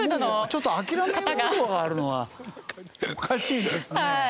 ちょっと諦めムードがあるのはおかしいですね。